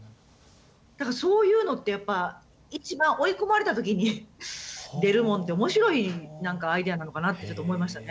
何かそういうのってやっぱ一番追い込まれた時に出るもんで面白い何かアイデアなのかなってちょっと思いましたね。